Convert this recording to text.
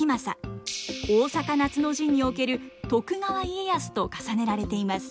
大坂夏の陣における徳川家康と重ねられています。